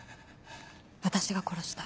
私が殺した。